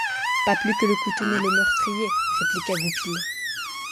Pas plus que le couteau n’est le meurtrier, répliqua Goupil.